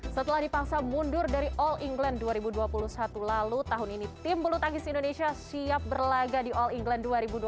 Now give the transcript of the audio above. setelah dipaksa mundur dari all england dua ribu dua puluh satu lalu tahun ini tim bulu tangkis indonesia siap berlaga di all england dua ribu dua puluh